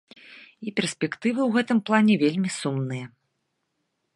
І перспектывы ў гэтым плане вельмі сумныя.